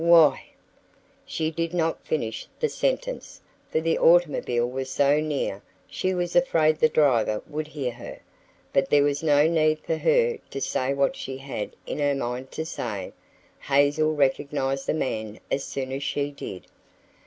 "Why " She did not finish the sentence, for the automobile was so near she was afraid the driver would hear her. But there was no need for her to say what she had in her mind to say. Hazel recognized the man as soon as she did.